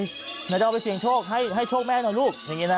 นายจะเอาไปเสียงโชคให้โชคแม่หน่อยลูก